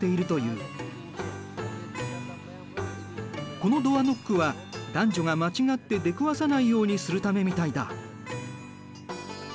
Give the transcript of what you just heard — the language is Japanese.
このドアノックは男女が間違って出くわさないようにするためみたいだ。